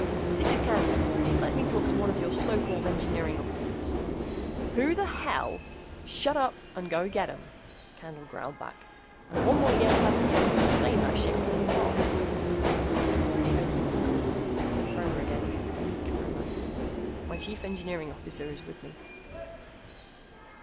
"This is Candle. Let me talk to one of your so called engineering officers." "Who the hell " "Shut up and go get 'em," Candle growled back. "And one more yelp out of you and you'll stay in that ship till you rot." There was a pause, then Fromer again, a meek Fromer. "My chief engineering officer is with me."